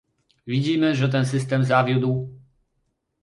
Widzimy, że ten system zawiódł